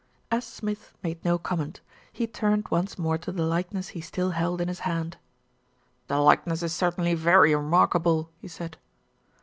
As Smith made no comment, he turned once more to the likeness he still held in his hand. "The likeness is certainly very remarkable," he said.